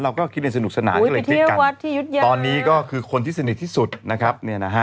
เราก็คิดได้สนุกสนานก็เลยคิดกันตอนนี้ก็คือคนที่สนิทที่สุดนะครับเนี่ยนะฮะ